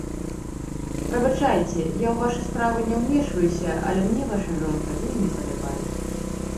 Прабачайце, я ў вашы справы не ўмешваюся, але мне ваша жонка вельмі падабаецца.